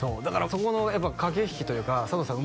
そこの駆け引きというか佐藤さん